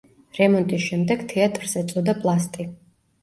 რემონტის შემდეგ თეატრს ეწოდა „პლასტი“.